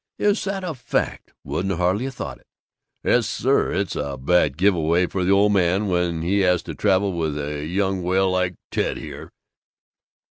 "Is that a fact! Wouldn't hardly 'a' thought it!" "Yes, sir, it's a bad give away for the old man when he has to travel with a young whale like Ted here!"